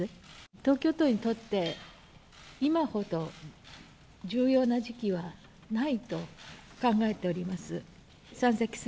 東京都にとって、今ほど重要な時期はないと考えております。